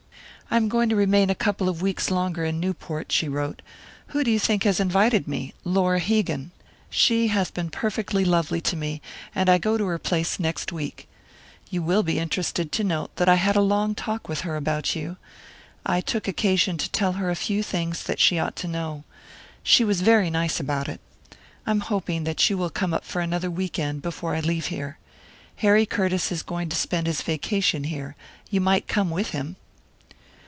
"I am going to remain a couple of weeks longer in Newport," she wrote. "Who do you think has invited me Laura Hegan. She has been perfectly lovely to me, and I go to her place next week. You will be interested to know that I had a long talk with her about you; I took occasion to tell her a few things that she ought to know. She was very nice about it. I am hoping that you will come up for another week end before I leave here. Harry Curtiss is going to spend his vacation here; you might come with him."